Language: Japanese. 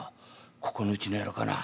ここのうちの野郎かな？